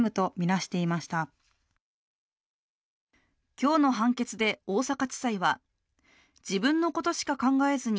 今日の判決で大阪地裁は、自分のことしか考えずに